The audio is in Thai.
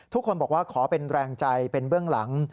ทุกคนบอกว่าขอเป็นแรงใจเป็นเบื้องหลัง